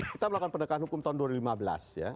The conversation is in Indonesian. kita melakukan pendekatan hukum tahun dua ribu lima belas ya